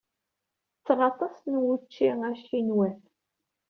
Ttetteɣ aṭas n wučči acinwat.